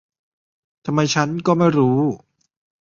ทำไมฉันก็ไม่รู้